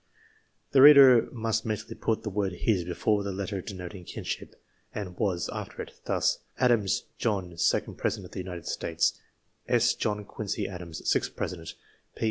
The reader must mentally put the word his before the letter denoting kinship, and was after it. Thus : Adams, John ; second President of the United States. S. John Quincey Adams, sixth President.